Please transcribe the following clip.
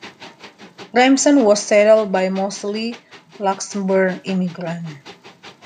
Remsen was settled by mostly Luxembourg immigrants.